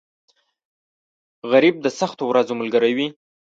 غریب د سختو ورځو ملګری وي